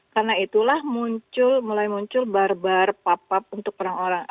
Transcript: karena itulah muncul mulai muncul bar bar pop up untuk orang orang